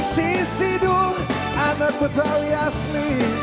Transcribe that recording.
sisi duk anak betawi asli